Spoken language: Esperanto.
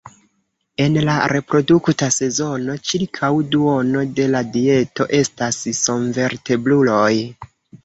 En la reprodukta sezono, ĉirkaŭ duono de la dieto estas senvertebruloj.